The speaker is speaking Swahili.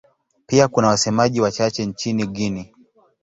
Pia kuna wasemaji wachache nchini Guinea.